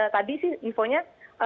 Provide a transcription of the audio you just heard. tadi sih infonya